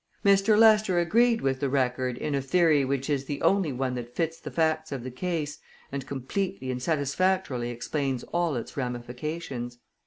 Mr. Lester agreed with the Record in a theory which is the only one that fits the facts of the case, and completely and satisfactorily explains all its ramifications.